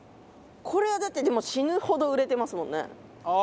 これはだってでも死ぬほど売れてますもんね。